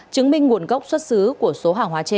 chứng minh nguồn gốc xuất xứ của số hàng hóa trên